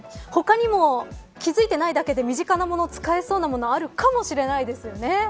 他にも気づいてないだけで身近なもの、使えそうなものあるかもしれないですよね。